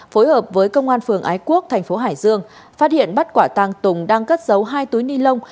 phối hợp với công an phường ái quốc tp hải dương phát hiện bắt quả tăng tùng đang cất giấu hai túi nilon